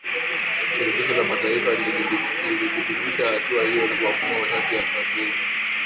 Shirikisho la Mataifa lilithibitisha hatua hiyo na kuamua masharti ya kukabidhi